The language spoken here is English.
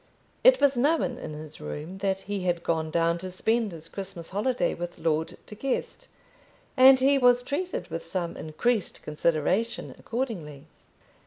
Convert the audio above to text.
It was known in his room that he had gone down to spend his Christmas holiday with Lord De Guest, and he was treated with some increased consideration accordingly.